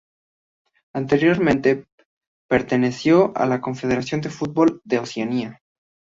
Anteriormente perteneció a la Confederación de Fútbol de Oceanía.